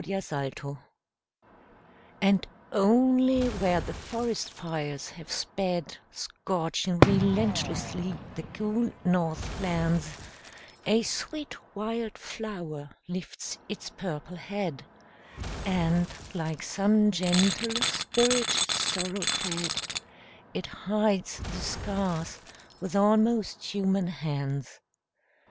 FIRE FLOWERS And only where the forest fires have sped, Scorching relentlessly the cool north lands, A sweet wild flower lifts its purple head, And, like some gentle spirit sorrow fed, It hides the scars with almost human hands.